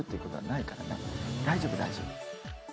大丈夫大丈夫。